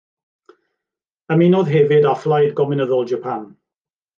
Ymunodd hefyd â Phlaid Gomiwnyddol Japan.